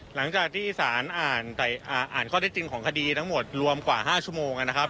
หลังจากที่สารอ่านข้อได้จริงของคดีทั้งหมดรวมกว่า๕ชั่วโมงนะครับ